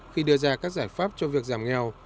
khi đưa ra các giải pháp cho việc giải pháp